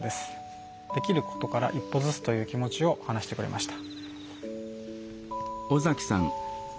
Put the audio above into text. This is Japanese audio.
できることから一歩ずつという気持ちを話してくれました。